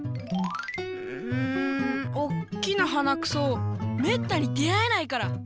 うんおっきなはなくそめったに出会えないから！